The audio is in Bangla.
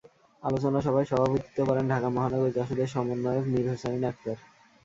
আলোচনা সভায় সভাপতিত্ব করেন ঢাকা মহানগর জাসদের সমন্বয়ক মীর হোসাইন আখতার।